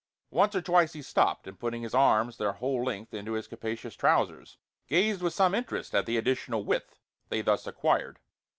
Once or twice he stopped, and putting his arms their whole length into his capacious trousers, gazed with some interest at the additional width they thus acquired.